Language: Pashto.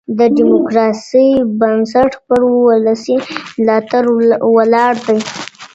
د ډيموکراسۍ بنسټ پر ولسي ملاتړ ولاړ دی.